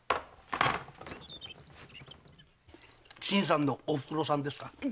新さんのおふくろさんですか？